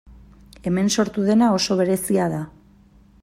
Hemen sortu dena oso berezia da.